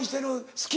「好き」。